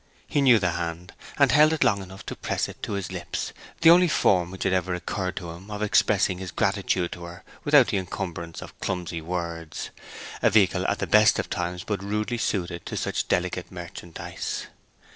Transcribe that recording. He knew the hand, and held it long enough to press it to his lips, the only form which had ever occurred to him of expressing his gratitude to her without the incumbrance of clumsy words, a vehicle at the best of times but rudely suited to such delicate merchandise.